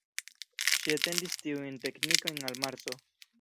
Ŝi etendis tiujn teknikojn al Marso.